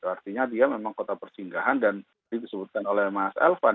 artinya dia memang kota persinggahan dan disebutkan oleh mas elvan